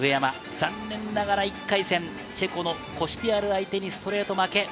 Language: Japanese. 残念ながら１回戦、チェコのコシュティアル相手にストレート負け。